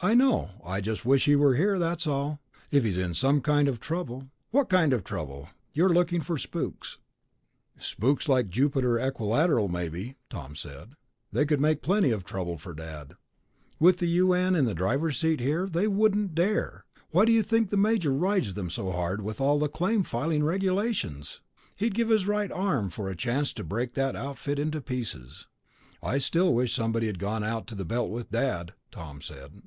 "I know. I just wish he were here, that's all. If he's in some kind of trouble...." "What kind of trouble? You're looking for spooks." "Spooks like Jupiter Equilateral, maybe," Tom said. "They could make plenty of trouble for Dad." "With the U.N. in the driver's seat here? They wouldn't dare. Why do you think the major rides them so hard with all the claim filing regulations? He'd give his right arm for a chance to break that outfit into pieces." "I still wish somebody had gone out to the Belt with Dad," Tom said.